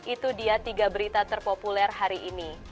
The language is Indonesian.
itu dia tiga berita terpopuler hari ini